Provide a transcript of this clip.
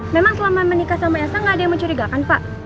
memang selama menikah sama esa gak ada yang mencurigakan pak